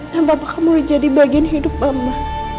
dan papa kamu menjadi bagian hidup mama